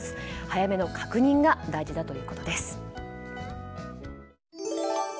早めの確認が大事だということです。